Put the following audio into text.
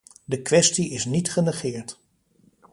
De kwestie is niet genegeerd.